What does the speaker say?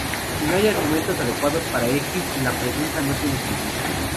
Si no hay argumentos adecuados para x, la "pregunta" no tiene sentido.